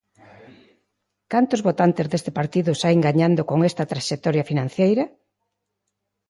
Cantos votantes deste partido saen gañando con esta traxectoria financeira?